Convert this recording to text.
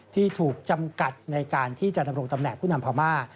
ที่ถูกจำกัดในการที่จะดำรงตำแหน่งผู้นำพม่า